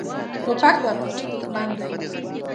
توپک د عاطفې دښمن دی.